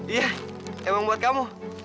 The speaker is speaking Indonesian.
iya emang buat kamu